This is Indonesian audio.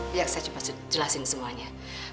biar saya coba jelasin semuanya